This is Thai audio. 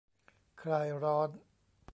คลายร้อน